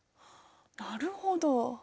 なるほど。